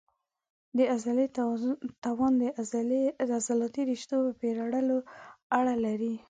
د عضلې توان د عضلاتي رشتو په پېړوالي اړه لري.